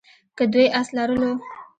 که دوی آس لرلو.